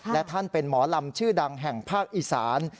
และท่านเป็นหมอลำชื่อดังแห่งภาคอีสาน